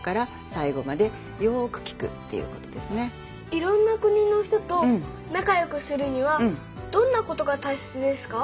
いろんな国の人と仲よくするにはどんなことがたいせつですか？